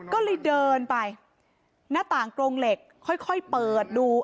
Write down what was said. ก็เลยเดินไปหน้าต่างกรงเหล็กค่อยเปิดดู